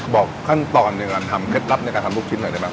บอกขั้นตอนในการทำเคล็ดลับในการทำลูกชิ้นหน่อยได้ไหม